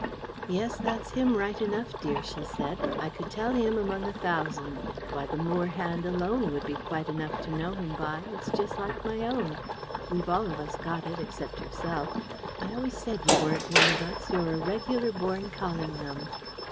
"Yes, that's him, right enough, dear," she said. "I could tell him among a thousand. Why, the Moore hand alone would be quite enough to know him by. It's just like my own. We've all of us got it except yourself. I always said you weren't one of us. You're a regular born Callingham."